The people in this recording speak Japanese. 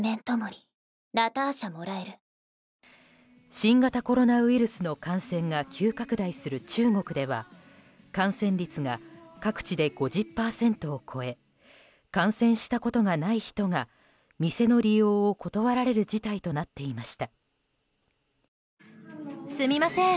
新型コロナウイルスの感染が急拡大する中国では感染率が各地で５０％を超え感染したことがない人が店の利用を断られる事態となっていました。